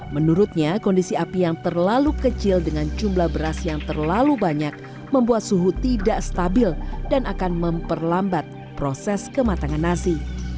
menurutnya kondisi api yang terlalu kecil dengan jumlah beras yang terlalu banyak membuat suhu tidak stabil dan akan memperlambat proses kematangan nasi